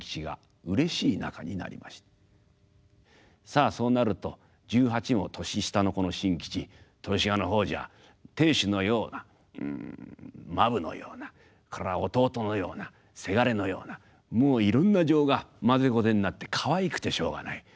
さあそうなると１８も年下のこの新吉豊志賀の方じゃ亭主のようなまぶのようなそれから弟のような伜のようなもういろんな情がまぜこぜになってかわいくてしょうがない。